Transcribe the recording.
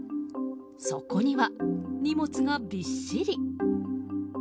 そこには、荷物がびっしり。